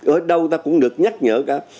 ở đâu ta cũng được nhắc nhở cả